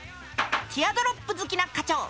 ティアドロップ好きな課長。